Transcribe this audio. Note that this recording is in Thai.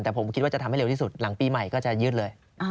แต่ผมคิดว่าจะทำให้เร็วที่สุดหลังปีใหม่ก็จะยืดเลย